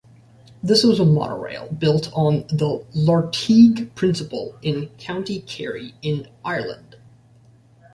This was a monorail built on the Lartigue principle in County Kerry in Ireland.